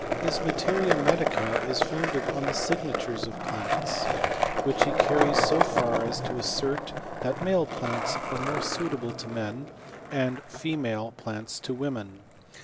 His materia medica is founded on the signatures of plants, which he carries 80 far as to assert that male plants are more suitable to men, and female plants to women.